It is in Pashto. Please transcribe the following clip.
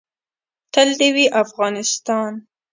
تل دې وي افغانستان.